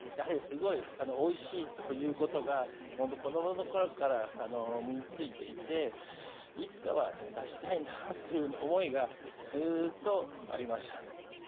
やはりすごいおいしいということが子どものころから身についていて、いつかは出したいなっていう思いが、ずーっとありました。